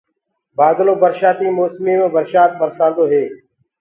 بآدلو برشآتيٚ موسميٚ مي برسآت برسآنٚدو هي